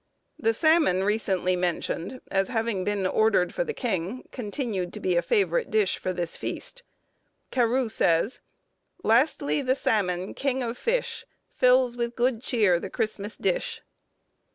The salmon recently mentioned, as having been ordered for the king, continued to be a favourite dish for this feast. Carew says— "Lastly, the sammon, king of fish, Fils with good cheare the Christmas dish."